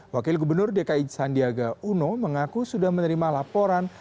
wakil gubernur dki sandiaga uno mengaku sudah menerima laporan